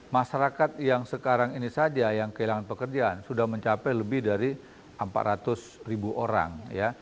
masyarakat yang sekarang ini saja yang kehilangan pekerjaan sudah mencapai lebih dari empat ratus ribu orang